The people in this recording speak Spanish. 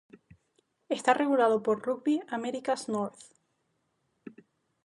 Está regulado por Rugby Americas North.